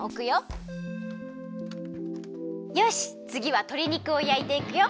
よしつぎはとり肉をやいていくよ。